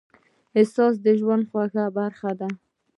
احساس د ژوند خوږه برخه ده.